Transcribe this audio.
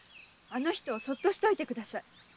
あの人をそっとしておいてください。